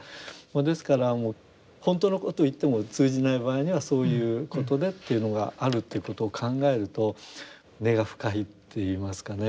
ですから本当のことを言っても通じない場合にはそういうことでというのがあるということを考えると根が深いっていいますかね。